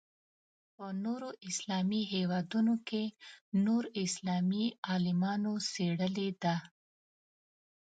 په نورو اسلامي هېوادونو کې نور اسلامي عالمانو څېړلې ده.